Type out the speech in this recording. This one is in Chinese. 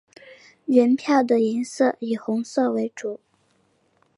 原票的颜色以红色为主。